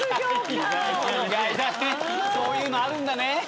そういうのあるんだね。